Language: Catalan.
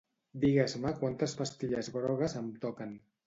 Digues-me quantes pastilles grogues em toquen.